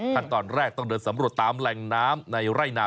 ขั้นตอนแรกต้องเดินสำรวจตามแหล่งน้ำในไร่นา